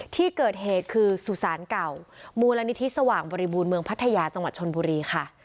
ที่เกิดเหตุคือสุสานเก่ามูลนิธิสว่างบริบูรณ์เมืองพัทยาจังหวัดชนบุรีค่ะ